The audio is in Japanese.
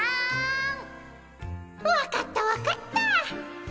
分かった分かった。